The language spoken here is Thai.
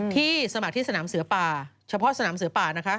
สมัครที่สนามเสือป่าเฉพาะสนามเสือป่านะคะ